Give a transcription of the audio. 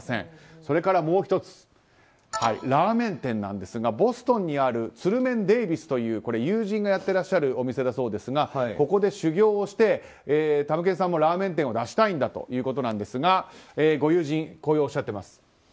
それからもう１つラーメン屋ですがボストンにあるＴｓｕｒｕｍｅｎＤａｖｉｓという友人がやっていらっしゃるお店だそうですがここで修業をしてたむけんさんもラーメン屋を出したいということですがご友人、こうおっしゃってます。